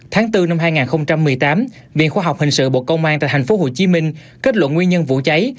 tháng bốn năm hai nghìn một mươi tám viện khoa học hình sự bộ công an tại thành phố hồ chí minh kết luận nguyên nhân vụ cháy